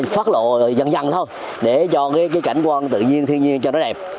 phát lộ dần dân thôi để cho cái cảnh quan tự nhiên thiên nhiên cho nó đẹp